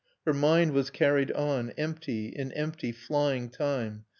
Her mind was carried on, empty, in empty, flying time.